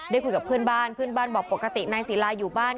คุยกับเพื่อนบ้านเพื่อนบ้านบอกปกตินายศิลาอยู่บ้าน